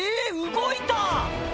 動いた！